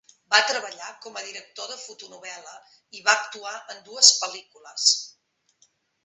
Va treballar com a director de fotonovel·la i va actuar en dues pel·lícules.